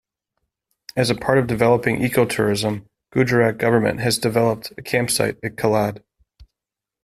As a part of developing ecotourism Gujarat Government has developed a campsite at Kilad.